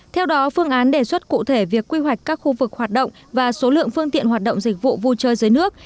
theo đó phương án đề xuất cụ thể việc quy hoạch các khu vực hoạt động và số lượng phương tiện hoạt động dịch vụ vui chơi dưới nước